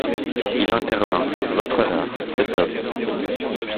Il intervint :— Votre Honneur, cet homme…